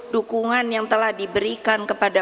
dukungan yang telah diberikan kepada